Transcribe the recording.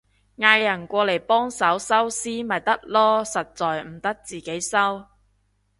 嗌人過嚟幫手收屍咪得囉，實在唔得自己收